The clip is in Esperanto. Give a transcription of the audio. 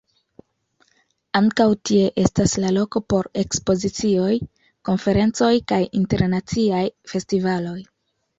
Ankaŭ tie estas la loko por ekspozicioj, konferencoj kaj internaciaj festivaloj.